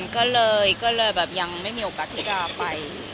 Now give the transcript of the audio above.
ก็เลยแบบยังไม่มีโอกาสที่จะไป